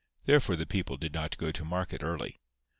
Therefore the people did not go to market early.